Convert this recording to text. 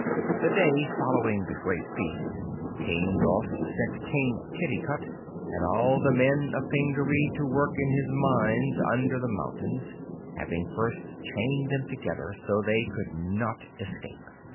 The day following the feast King Gos sent King Kitticut and all the men of Pingaree to work in his mines under the mountains, having first chained them together so they could not escape.